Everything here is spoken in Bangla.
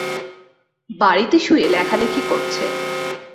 বাড়িতে শুয়ে লেখালেখি করছে।